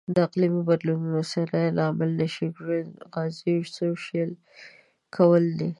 د اقلیمي بدلون اوسنی لامل د شینکوریزو غازونو خوشې کول دي.